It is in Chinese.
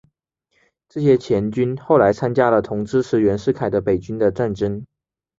这些黔军后来参加了同支持袁世凯的北军的战争。